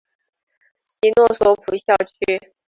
其诺索普校区。